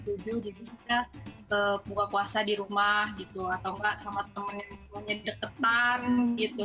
jadi bisa buka puasa di rumah gitu atau enggak sama temen temen yang deketan gitu